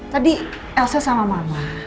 tadi elsa sama mama